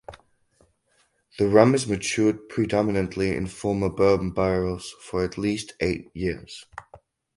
The rum is matured predominately in former bourbon barrels for at least eight years.